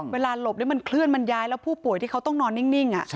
หลบมันเคลื่อนมันย้ายแล้วผู้ป่วยที่เขาต้องนอนนิ่ง